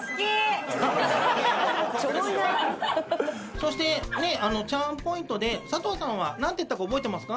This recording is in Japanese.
そしてチャームポイントで佐藤さんは何て言ったか覚えてますか？